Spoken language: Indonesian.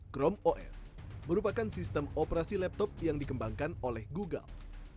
chrome os merupakan sistem operasi laptop yang dikembangkan oleh google